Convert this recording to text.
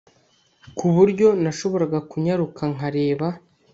kuburyo nashobraga kunyaruka nkareba